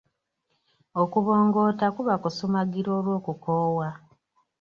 Okubongoota kuba kusumagira olw'okukoowa.